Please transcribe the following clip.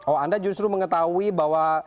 oh anda justru mengetahui bahwa